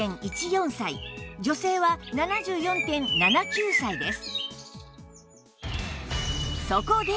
女性は ７４．７９ 歳です